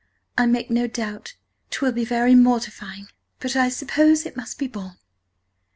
I make no doubtt 'twill be very mortifying, but I suppose it must be borne.